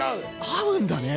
合うんだね！